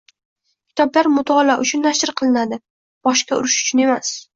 Kitoblar mutolaa uchun nashr qilinadi, boshga urish uchun emas